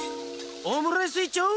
オムライスいっちょう！